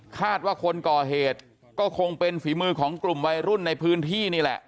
คาดว่าคนก่อเหตุก็คงเป็นฝีมือของกลุ่มวัยรุ่นในพื้นที่นี่แหละ